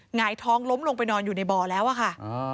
หงายท้องล้มลงไปนอนอยู่ในบ่อแล้วอะค่ะ